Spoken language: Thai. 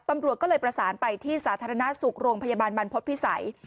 ตำรวจก็เลยประสานไปที่สาธารณสุขโรงพยาบาลบรรพฤษภิษัย